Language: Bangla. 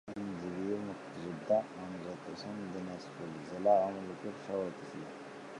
আইনজীবী ও মুক্তিযোদ্ধা আমজাদ হোসেন দিনাজপুর জেলা আওয়ামীলীগের সভাপতি ছিলেন।